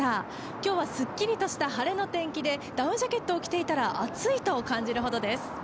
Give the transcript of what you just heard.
今日はすっきりとした晴れの天気でダウンジャケットを着ていたら暑いと感じるほどです。